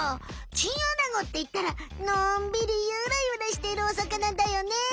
チンアナゴっていったらのんびりゆらゆらしてるおさかなだよね。